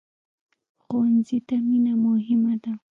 ښوونځی ته مینه مهمه ده